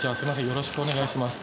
よろしくお願いします。